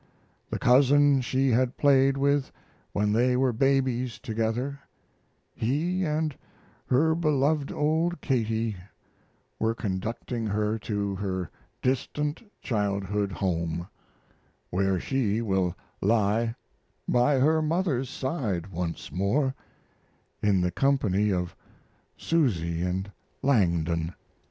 The cousin she had played with when they were babies together he and her beloved old Katie Were conducting her to her distant childhood home, where she will lie by her mother's side once more, in the company of Susy and Langdon.